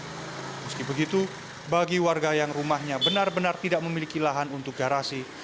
meski begitu bagi warga yang rumahnya benar benar tidak memiliki lahan untuk garasi